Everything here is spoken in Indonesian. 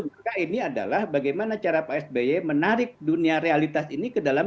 maka ini adalah bagaimana cara pak sby menarik dunia realitas ini ke dalam